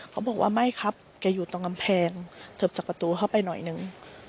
เขาบอกว่าไม่ครับแกอยู่ตรงกำแพงเถิบจากประตูเข้าไปหน่อยนึง